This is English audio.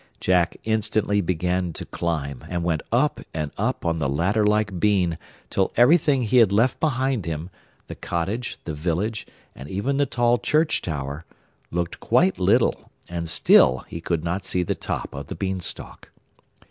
Jack instantly began to climb, and went up and up on the ladder like bean till everything he had left behind him—the cottage, the village, and even the tall church tower—looked quite little, and still he could not see the top of the Beanstalk.